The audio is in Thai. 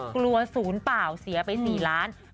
กลัวศูนย์เปล่าเสียไป๔ล้านบาท